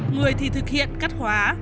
người thì thực hiện cắt khóa